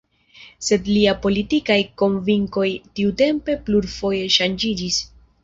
Sed lia politikaj konvinkoj tiutempe plurfoje ŝanĝiĝis.